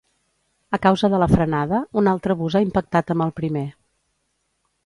A causa de la frenada, un altre bus ha impactat amb el primer.